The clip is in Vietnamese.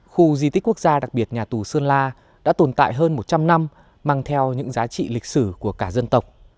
khu di tích quốc gia đặc biệt nhà tù sơn la đã tồn tại hơn một trăm linh năm mang theo những giá trị lịch sử của cả dân tộc